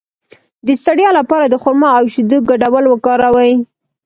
د ستړیا لپاره د خرما او شیدو ګډول وکاروئ